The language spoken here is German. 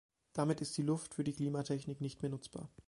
Damit ist die Luft für die Klimatechnik nicht mehr nutzbar.